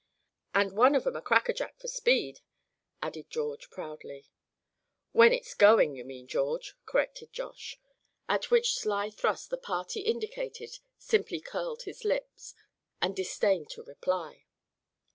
"And one of 'em a crack a jack for speed," added George, proudly. "When it's going, you mean, George," corrected Josh; at which sly thrust the party indicated simply curled his lip, and disdained to reply.